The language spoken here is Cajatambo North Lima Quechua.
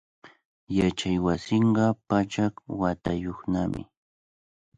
Yachaywasinqa pachak watayuqnami.